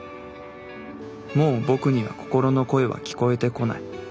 もう僕には心の声は聞こえてこない。